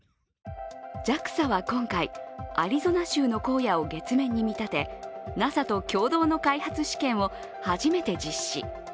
ＪＡＸＡは今回、アリゾナ州の荒野を月面に見立て、ＮＡＳＡと共同の開発試験を初めて実施。